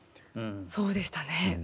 そうでしたね。